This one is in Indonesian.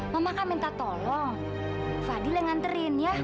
maka minta tolong fadil yang nganterin ya